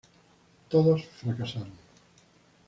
Todos fracasaron.